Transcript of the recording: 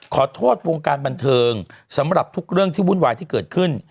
ขอโทษวงการบันเทิงสำหรับทุกเรื่องที่วุ่นวายที่เกิดขึ้น